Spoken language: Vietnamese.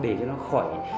để cho nó khỏi